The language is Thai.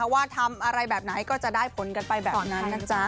ว่าทำอะไรแบบไหนก็จะได้ผลกันไปแบบนั้นนะจ๊ะ